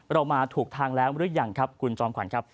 เรามาถูกทางหรือยังครับคุณจอมขวัญ